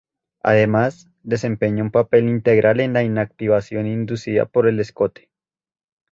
Además, desempeña un papel integral en la inactivación inducida por el escote.